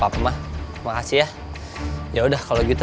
apa apa makasih ya ya udah kalau gitu